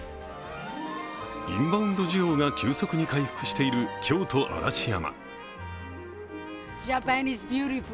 インバウンド需要が急速に回復している京都・嵐山。